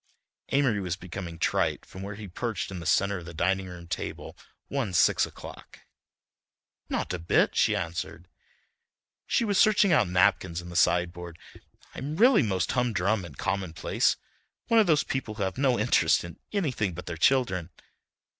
Amory was becoming trite from where he perched in the centre of the dining room table one six o'clock. "Not a bit," she answered. She was searching out napkins in the sideboard. "I'm really most humdrum and commonplace. One of those people who have no interest in anything but their children."